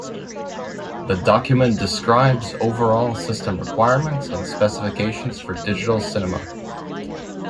The document describes overall system requirements and specifications for digital cinema.